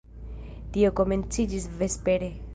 Tio komenciĝis vespere.